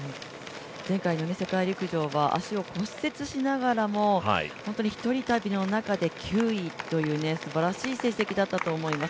前回の世界陸上は足を骨折しながらも、本当に１人旅の中で９位というすばらしい成績だったと思います。